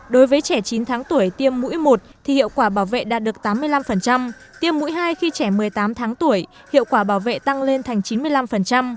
đối với trẻ chín tháng tuổi tiêm mũi một thì hiệu quả bảo vệ đạt được tám mươi năm tiêm mũi hai khi trẻ một mươi tám tháng tuổi hiệu quả bảo vệ tăng lên thành chín mươi năm